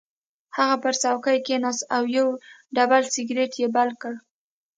هغه پر څوکۍ کېناست او یو ډبل سګرټ یې بل کړ